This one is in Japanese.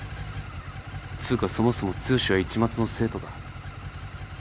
つうかそもそも剛は市松の生徒か？